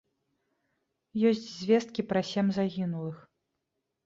Ёсць звесткі пра сем загінулых.